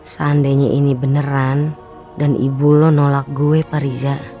seandainya ini beneran dan ibu lo nolak gue fariza